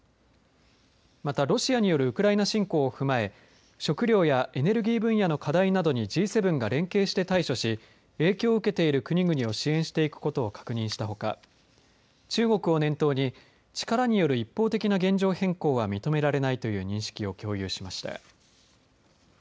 また、ロシアによるウクライナ侵攻を踏まえ食料やエネルギー分野の課題などにＧ７が連携して対処し影響を受けている国々を支援していくことを確認したほか中国を念頭に力による一方的な現状変更は認められないという認識を共有しました。